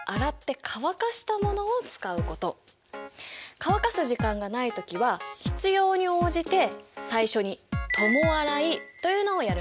乾かす時間がない時は必要に応じて最初に共洗いというのをやるんだ。